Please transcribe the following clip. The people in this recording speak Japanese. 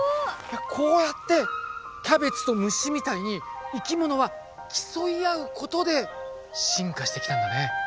こうやってキャベツと虫みたいに生き物は競い合うことで進化してきたんだね。